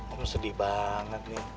om sedih banget